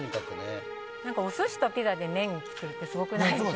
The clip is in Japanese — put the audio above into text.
お寿司とピザで麺を作るってすごくないですか。